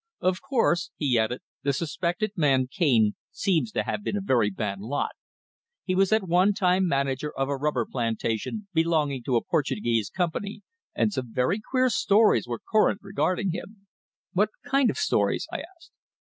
Of course," he added, "the suspected man Cane seems to have been a very bad lot. He was at one time manager of a rubber plantation belonging to a Portuguese company, and some very queer stories were current regarding him." "What kind of stories?" I asked.